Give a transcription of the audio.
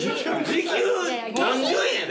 時給何十円やで。